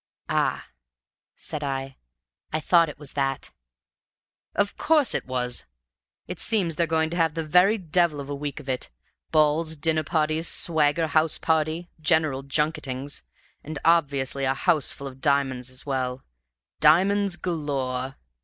"Ah!" said I. "I thought it was that." "Of course, it was! It seems they're going to have the very devil of a week of it balls dinner parties swagger house party general junketings and obviously a houseful of diamonds as well. Diamonds galore!